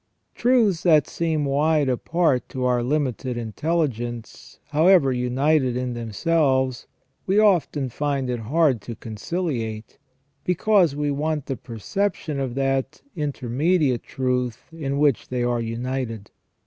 Truths that seem wide apart to our limited in telligence, however united in themselves, we often find it hard to conciliate, because we want the perception of that intermediate truth in which they are united.